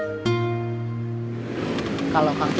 tapi dia juga nggak ngaku